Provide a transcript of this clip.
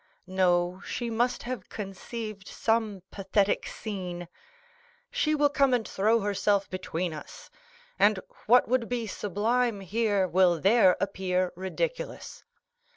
No, she must have conceived some pathetic scene; she will come and throw herself between us; and what would be sublime here will there appear ridiculous."